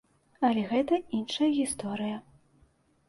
Але гэта іншая гісторыя.